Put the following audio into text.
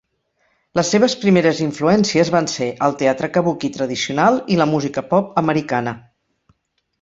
Les seves primeres influències van ser el teatre Kabuki tradicional i la música pop americana.